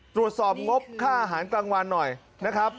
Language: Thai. ตรวจสอบงบค่าอาหารกลางวันหน่อยนะครับ